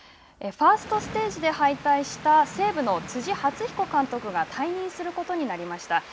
ファーストステージで敗退した西武の辻発彦監督が退任することになりました。